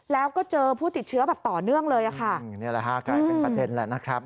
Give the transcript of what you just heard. แล้วก็เจอผู้ติดเชื้อแบบต่อเนื่องเลยค่ะนี่แหละฮะกลายเป็นประเด็นแหละนะครับ